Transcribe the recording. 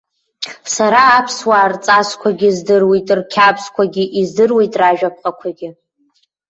Сара аԥсуаа рҵасқәагьы здыруеит, рқьабзқәагьы, издыруеит ражәаԥҟақәагьы.